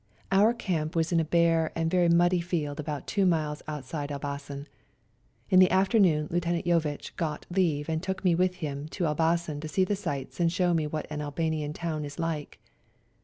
Our camp was in a bare and very muddy field about two miles outside Elbasan. In the afternoon Lieut. Jovitch got leave and took me with him to Elbasan to see the sights and show me what an Albanian town is like.